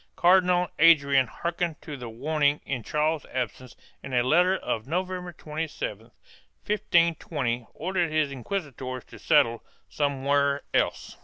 Cardinal Adrian hearkened to the warning in Charles's absence and in a letter of November 27, 1520, ordered his inquisitors to settle somewhere else.